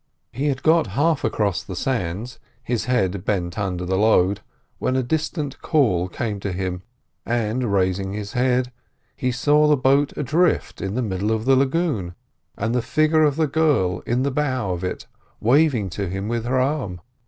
He had got half across the sands, his head bent under the load, when a distant call came to him, and, raising his head, he saw the boat adrift in the middle of the lagoon, and the figure of the girl in the bow of it waving to him with her arm.